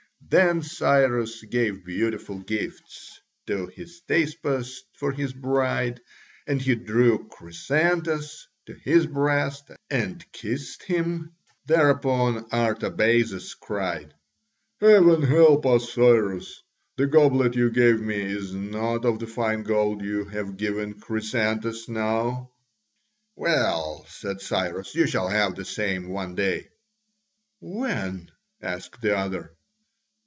Then Cyrus gave beautiful gifts to Hystaspas for his bride, but he drew Chrysantas to his breast and kissed him. Thereupon Artabazus cried: "Heaven help us, Cyrus! The goblet you gave me is not of the fine gold you have given Chrysantas now!" "Well," said Cyrus, "you shall have the same one day." "When?" asked the other.